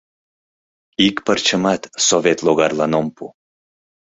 Ик пырчымат совет логарлан ом пу.